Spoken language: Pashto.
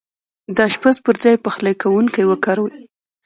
د اشپز پر ځاي پخلی کونکی وکاروئ